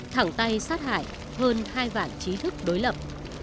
thẳng tay sát hại hơn hai vạn trí thức đối lập